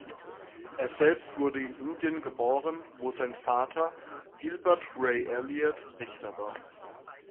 Er selbst wurde in Indien geboren, wo sein Vater Gilbert Wray Elliot Richter war.